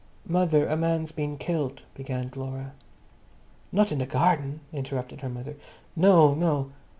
"Mother, a man's been killed," began Laura. "Not in the garden?" interrupted her mother. "No, no!"